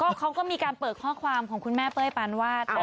เขาก็มีการเปิดข้อความของคุณแม่เป้ยปานวาด